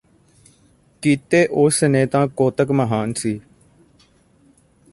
ਕੀਤੇ ਉਸ ਨੇ ਤਾਂ ਕੌਤਕ ਮਹਾਨ ਸੀ